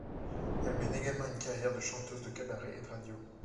Elle mène également une carrière de chanteuse de cabaret et de radio.